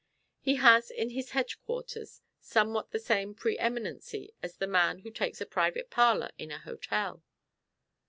He has in his hedge quarters somewhat the same pre eminency as the man who takes a private parlour in an hotel.